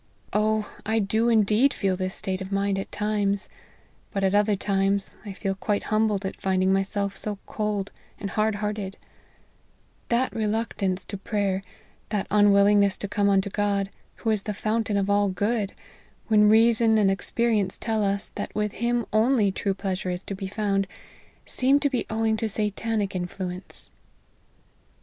Oh ! I do LIFE OF HENRY MARTYN. 13 indeed feel this state of mind at times ; but at other times 1 feel quite humbled at finding myself so cold and hard hearted That reluctance to prayer, that unwillingness to come unto God, who is the fountain of all good, when reason and experi ence tell us, that with him only true pleasure is to be found, seem to be owing to Satanic influence."